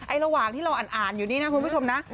ระหว่างที่เราอ่านอยู่นี่นะคุณผู้ชมนะ